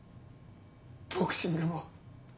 ボクシングも。